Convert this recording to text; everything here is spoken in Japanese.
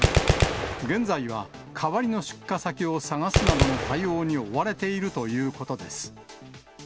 現在は代わりの出荷先を探すなどの対応に追われているということです。